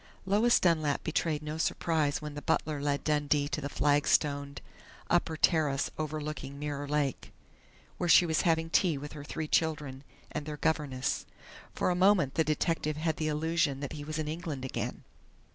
Lois Dunlap betrayed no surprise when the butler led Dundee to the flag stoned upper terrace overlooking Mirror Lake, where she was having tea with her three children and their governess. For a moment the detective had the illusion that he was in England again....